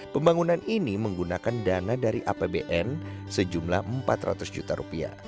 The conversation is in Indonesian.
pembangunan ini menggunakan dana dari apbn sejumlah rp empat ratus juta